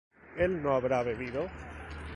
¿él no habrá bebido?